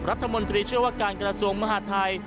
รัฐมนตรีเชื่อว่าการกระทรวงมหาดไทย